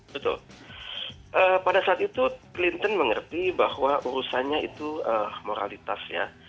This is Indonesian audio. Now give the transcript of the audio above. betul pada saat itu clinton mengerti bahwa urusannya itu moralitas ya